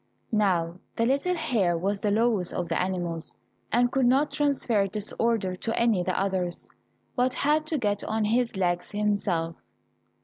Now the little hare was the lowest of the animals, and could not transfer this order to any the others, but had to get on his legs himself.